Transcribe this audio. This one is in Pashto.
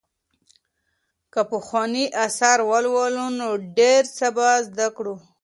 که پخواني آثار ولولو نو ډېر څه به زده کړو.